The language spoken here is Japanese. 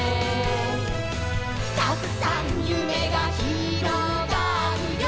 「たくさんゆめがひろがるよ」